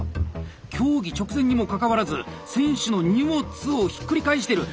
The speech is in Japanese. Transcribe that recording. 競技直前にもかかわらず選手の荷物をひっくり返してる。